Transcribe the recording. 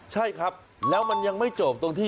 ใช่ครับแล้วมันยังไม่จบตรงที่